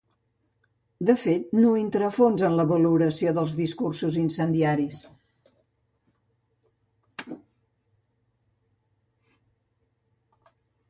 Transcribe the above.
De fet, no entra a fons en la valoració dels discursos incendiaris.